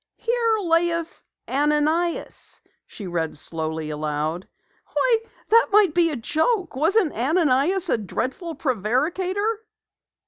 "'Here laeth Ananias'" she read slowly aloud. "Why, that might be a joke! Wasn't Ananias a dreadful prevaricator?"